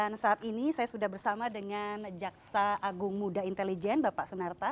dan saat ini saya sudah bersama dengan jaksa agung muda intelijen bapak sunarta